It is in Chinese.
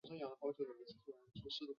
致使精神上受到极大的打击。